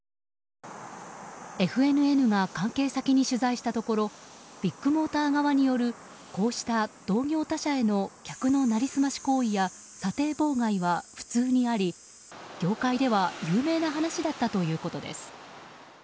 ＦＮＮが関係先に取材したところビッグモーター側によるこうした同業他社への客の成り済まし行為や査定妨害は普通にあり、業界では有名な話だったということです。